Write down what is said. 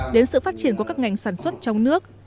đến sự phát triển của các ngành sản xuất trong nước